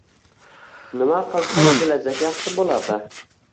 nima qilsa — kelajak yaxshi bo‘ladi?